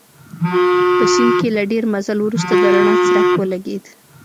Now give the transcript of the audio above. په سیند کې له ډېر مزل وروسته د رڼا څرک ولګېد.